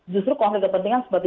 justru konflik kepentingan seperti